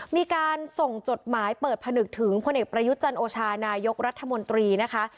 มีการส่งจดหมายเปิดผนึกถึงพลเอกประยุทธ์จันโอชานายกรัฐมนตรีนะคะ